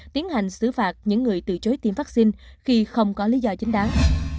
tiến hành xử phạt những người từ chối tiêm vaccine khi không có lý do chính đáng